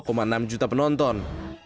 meraih dua enam juta penonton